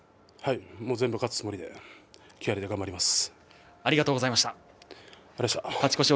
全部勝つつもりで気合い、頑張ります。